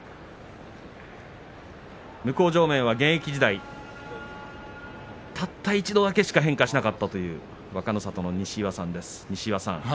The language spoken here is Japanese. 向正面、現役時代たった一度だけしか変化しなかったという若の里の西岩さんです。